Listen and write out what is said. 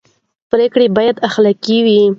پرېکړې باید اخلاقي وي